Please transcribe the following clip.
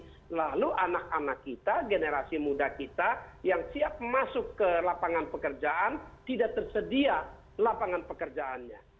lalu anak anak kita generasi muda kita yang siap masuk ke lapangan pekerjaan tidak tersedia lapangan pekerjaannya